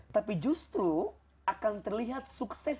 tapi justru akan terlihat sukses